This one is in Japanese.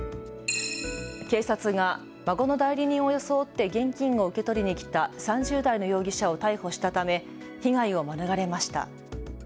警察が孫の代理人を装って現金を受け取りに来た３０代の容疑者を逮捕したため被害を免れました。